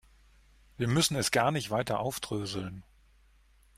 Wir müssen es gar nicht weiter aufdröseln.